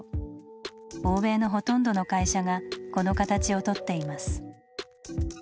欧米のほとんどの会社がこの形をとっています。